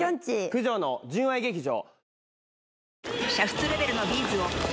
九条の純愛劇場。